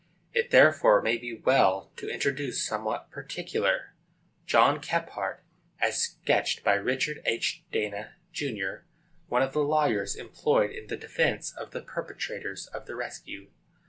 It therefore may be well to introduce somewhat particularly JOHN KEPHART, as sketched by RICHARD H. DANA, Jr., one of the lawyers employed in the defence of the perpetrators of the rescue.